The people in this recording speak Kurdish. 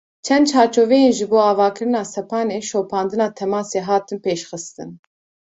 Çend çarçoveyên ji bo avakirina sepanên şopandina temasê hatin pêşxistin.